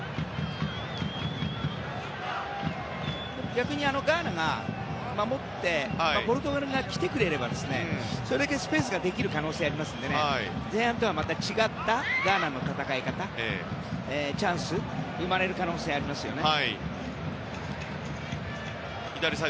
逆にガーナが守ってポルトガルが来てくれればそれだけスペースができる可能性がありますので前半とはまた違ったガーナの戦い方やチャンスが生まれる可能性はありますね。